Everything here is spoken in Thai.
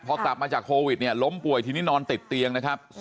พอกลับมาจากโควิดเนี่ยล้มป่วยทีนี้นอนติดเตียงนะครับ